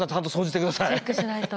チェックしないと。